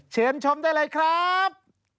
เชิญชมได้เลยครับ